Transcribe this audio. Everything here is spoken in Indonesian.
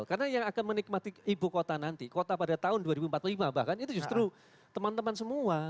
karena yang akan menikmati ibu kota nanti kota pada tahun dua ribu empat puluh lima bahkan itu justru teman teman semua